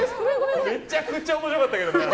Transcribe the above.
めちゃくちゃ面白かったけどな。